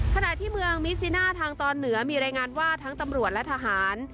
ขณะที่เมืองมิจิน่าทางตอนเหนือมีรายงานว่าทั้งตำรวจและทหาร